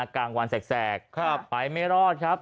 กลางวันแสกไปไม่รอดครับ